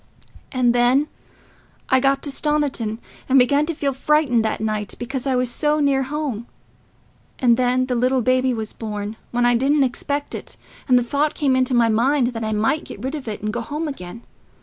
"And then I got to Stoniton, and I began to feel frightened that night, because I was so near home. And then the little baby was born, when I didn't expect it; and the thought came into my mind that I might get rid of it and go home again.